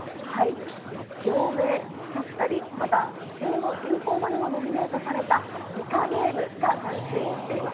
病名だったり、また新語・流行語にもノミネートされたイカゲームがランクインしています。